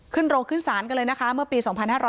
โรงขึ้นศาลกันเลยนะคะเมื่อปี๒๕๕๙